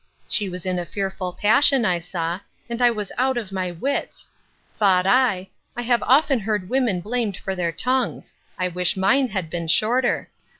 —She was in a fearful passion, I saw, and I was out of my wits. Thought I, I have often heard women blamed for their tongues; I wish mine had been shorter.